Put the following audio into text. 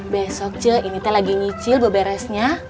besok ce ini teh lagi nyicil beberesnya